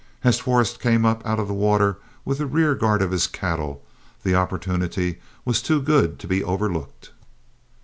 As Forrest came up out of the water with the rear guard of his cattle, the opportunity was too good to be overlooked.